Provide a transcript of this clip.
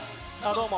どうも。